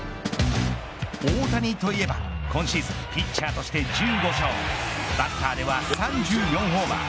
大谷といえば今シーズンピッチャーとして１５勝バッターでは３４ホーマー。